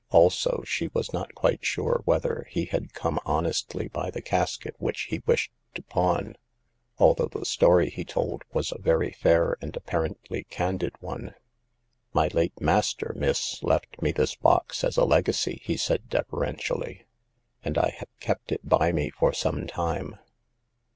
Also, she was not quite sure whether he had come honestly by the casket which he wished to pawn, although the story he told was a very fair and, apparently, candid one. " My late master, miss, left me this box as a legacy," he said deferentially, " and I have kept it by me for some time.